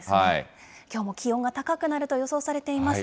きょうも気温が高くなると予想されています。